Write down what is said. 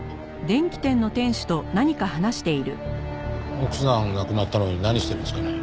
奥さん亡くなったのに何してるんですかね？